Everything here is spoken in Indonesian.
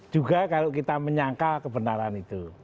juga kalau kita menyangkal kebenaran itu